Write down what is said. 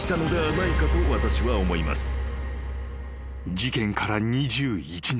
［事件から２１年。